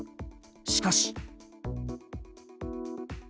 しかし。